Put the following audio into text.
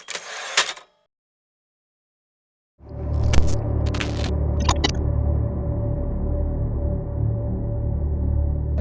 ครอบครัว